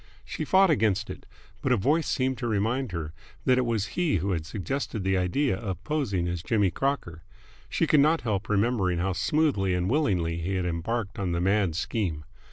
She fought against it, but a voice seemed to remind her that it was he who had suggested the idea of posing as Jimmy Crocker. She could not help remembering how smoothly and willingly he had embarked on the mad scheme.